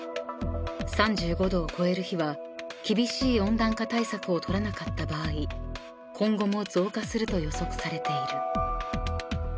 ［３５℃を超える日は厳しい温暖化対策を取らなかった場合今後も増加すると予測されている］